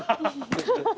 ハハハハ。